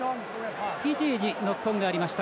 フィジーにノックオンがありました。